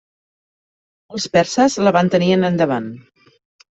Els perses la van tenir en endavant.